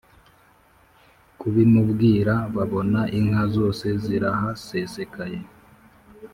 kubimubwira babona inka zose zirahasesekaye.